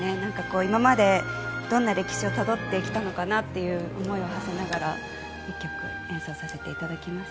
今までどんな歴史をたどってきたのかなという思いをはせながら１曲演奏させていただきました。